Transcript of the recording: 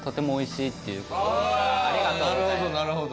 なるほどなるほど。